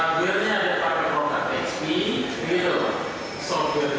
untuk kami bisa mengulang tugas ini